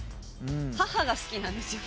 母が好きなんですよ